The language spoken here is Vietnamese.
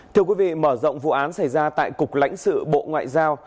thưa quý vị mở rộng vụ án xảy ra tại cục lãnh sự bộ ngoại giao